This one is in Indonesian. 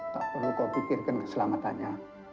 tak perlu kau pikirkan keselamatannya